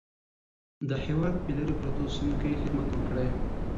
د هېواد په لیرې پرتو سیمو کې خدمت وکړئ.